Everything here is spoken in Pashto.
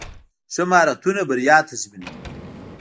ښه مهارتونه بریا تضمینوي.